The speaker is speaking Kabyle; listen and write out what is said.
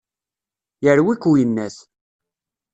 Yerwi-k uyennat.